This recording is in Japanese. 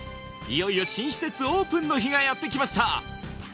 いよいよ新施設オープンの日がやってきました